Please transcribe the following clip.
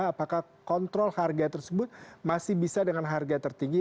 apakah kontrol harga tersebut masih bisa dengan harga tertinggi